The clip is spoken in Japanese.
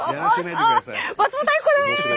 松本明子です！